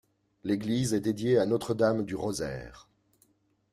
L'église est dédiée à Notre Dame du Rosaire.